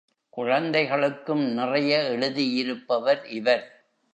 குழந்தைகளுக்கும் நிறைய எழுதியிருப்பவர் இவர்.